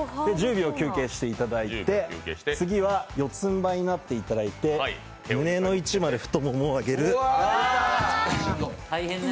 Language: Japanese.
１０秒、休憩していただいて、次は四つんばいになっていただいて胸の位置まで太股を上げる。